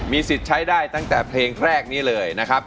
สิทธิ์ใช้ได้ตั้งแต่เพลงแรกนี้เลยนะครับ